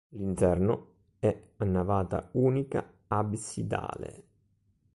L'interno è a navata unica absidale.